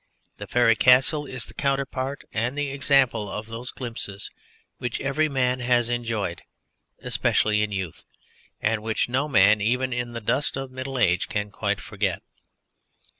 The Faery Castle is the counterpart and the example of those glimpses which every man has enjoyed, especially in youth, and which no man even in the dust of middle age can quite forget.